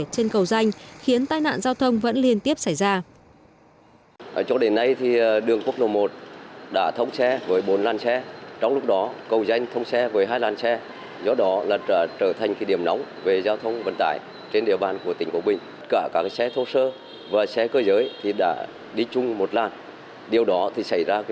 trên cầu danh khiến tai nạn giao thông vẫn liên tiếp xảy ra